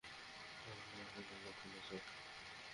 আমার কোন লক্ষ্য নেই, স্যার।